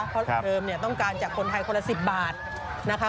เพราะเดิมเนี่ยต้องการจากคนไทยคนละ๑๐บาทนะคะ